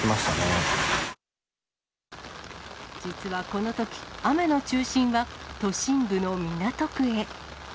実はこのとき、雨の中心は都心部の港区へ。